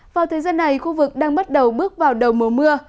vào thời gian này khu vực đang bắt đầu bước vào đầu mùa mưa